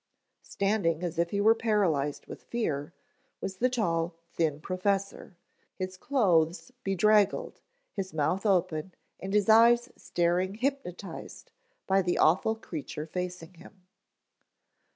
Standing, as if he were paralyzed with fear, was the tall, thin professor, his clothes bedraggled, his mouth open and his eyes staring hypnotized by the awful creature facing him.